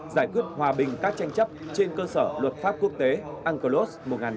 giải quyết hòa bình các tranh chấp trên cơ sở luật pháp quốc tế unclos một nghìn chín trăm tám mươi hai